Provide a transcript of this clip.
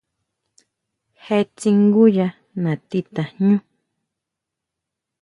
Jee tsinguya natí tajñú.